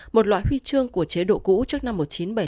một loại huy chương của chế độ cũ trước năm một nghìn chín trăm bảy mươi